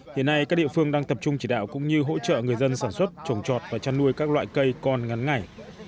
hiện nay các địa phương đang tập trung chỉ đạo cũng như hỗ trợ người dân sản xuất trồng trọt và chăn nuôi các loại cây còn ngắn ngày